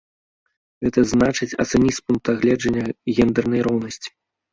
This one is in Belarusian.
Гэта значыць, ацаніць з пункта гледжання гендэрнай роўнасці.